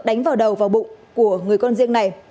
đánh vào đầu vào bụng của người con riêng này